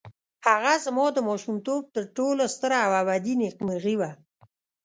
هغه زما د ماشومتوب تر ټولو ستره او ابدي نېکمرغي وه.